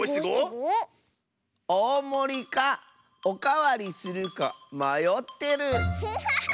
「おおもりかおかわりするかまよってる」。